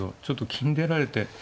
ちょっと金出られて。